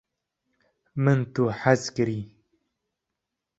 min tu hez kirî